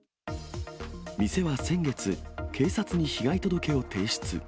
店は先月、警察に被害届を提出。